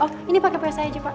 oh ini pake perasa aja pak